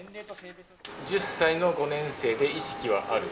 １０歳の５年生で、意識はある。